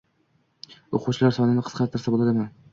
o‘quvchilar sonini qisqatirsa bo‘ladimi?